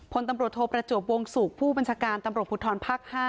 ผลตำรวจโทพประจวบวงสูกผู้บัญชาการตำรวจพพภ๕